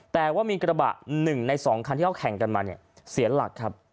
แต่ว่ามีกระบะ๑ใน๒คันที่เขาแข่งกันมาเนี่ยเสียหลักครับ